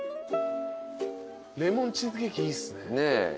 レモンチーズケーキいいっすね。